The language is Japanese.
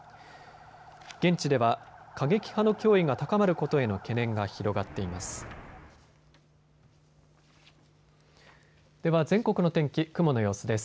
現地では過激派の脅威が高まることへの懸念が広がっています。